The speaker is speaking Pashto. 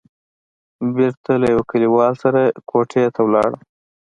بېرته له يوه کليوال سره کوټې ته ولاړم.